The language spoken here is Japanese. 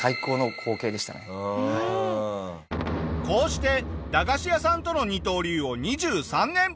こうして駄菓子屋さんとの二刀流を２３年。